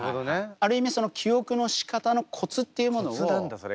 ある意味記憶のしかたのコツっていうものをポイント